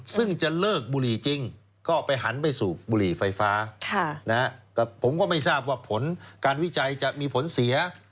ซึ่งจะเลิกบุหรี่จริงก็ไปหันไปสูบบุหรี่ไฟฟ้าแต่ผมก็ไม่ทราบว่าผลการวิจัยจะมีผลเสีย